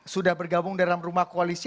sudah bergabung dalam rumah koalisi